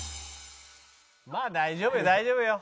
まあ大丈夫よ大丈夫よ。